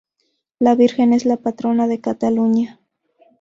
La Virgen es la patrona de Cataluña.